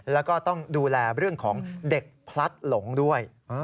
แล้วก็ต้องดูแลเรื่องของเด็กพลัดหลงด้วย